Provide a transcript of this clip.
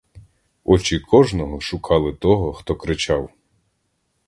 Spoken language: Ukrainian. Очі кожного шукали того, хто кричав.